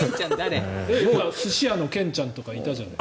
寿司屋のケンちゃんとかいたじゃない。